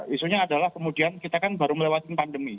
isunya adalah kemudian kita kan baru melewati pandemi